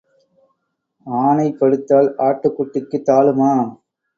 ஆனை படுத்தால் ஆட்டுக்குட்டிக்குத் தாழுமா?